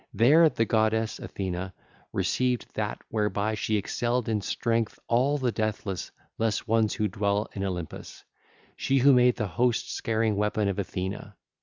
There the goddess (Athena) received that 1631 whereby she excelled in strength all the deathless ones who dwell in Olympus, she who made the host scaring weapon of Athena.